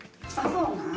そうなん？